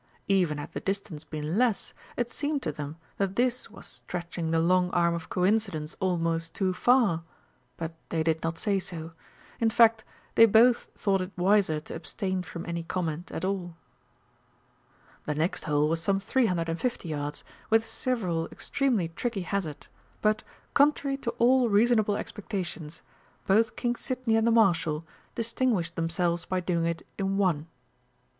Even had the distance been less, it seemed to them that this was stretching the long arm of coincidence almost too far, but they did not say so; in fact, they both thought it wiser to abstain from any comment at all. The next hole was some three hundred and fifty yards, with several extremely tricky hazards, but, contrary to all reasonable expectations, both King Sidney and the Marshal distinguished themselves by doing it in one.